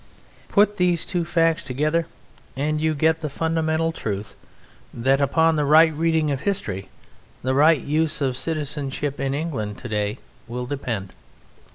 Put these two facts together and you get the fundamental truth that upon the right reading of history the right use of citizenship in England today will depend.